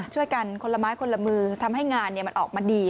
ช่วยกันคนละไม้คนละมือทำให้งานมันออกมาดี